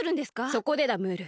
そこでだムール。